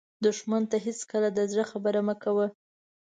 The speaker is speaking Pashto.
دښمن ته هېڅکله د زړه خبره مه کوه